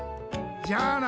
じゃあな！